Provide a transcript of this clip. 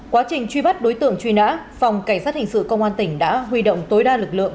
quá trình truy bắt đối tượng truy nã phòng cảnh sát hình sự công an tỉnh đã huy động tối đa lực lượng